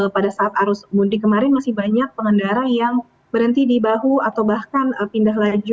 pada saat arus mudik kemarin masih banyak pengendara yang berhenti di bahu atau bahkan pindah laju